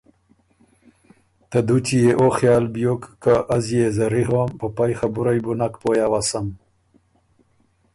ته دُوچی يې او خیال بيوک که از يې زری هوم په پئ خبُرئ بُو نک پویٛ اؤسم،